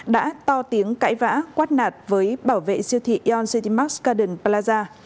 đã to tiếng cãi vã quát nạt với bảo vệ siêu thị yon city marks garden plaza